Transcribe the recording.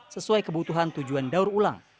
sesuai kebutuhan tujuan daur ulang